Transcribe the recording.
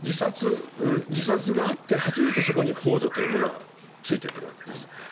自殺があって初めてそこにほう助というものがついてくるわけです。